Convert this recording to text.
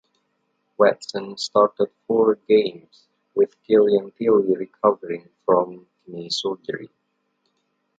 Watson started four games with Killian Tillie recovering from knee surgery.